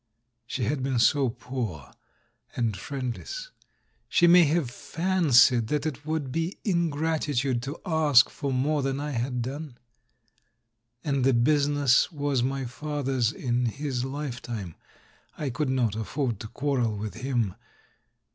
... She had been so poor and friendless; she may have fancied that it would be ingratitude to ask for more than I had done? And the business was my father's in his lifetime; I could not afford to quarrel with him.